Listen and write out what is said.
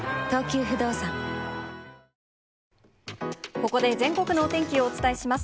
ここで全国のお天気をお伝えします。